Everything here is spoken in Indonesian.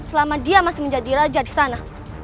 selama dia masih menjadi raja di sana